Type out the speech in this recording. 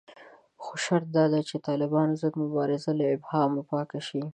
خو شرط داده چې د طالبانو ضد مبارزه له ابهامونو پاکه شي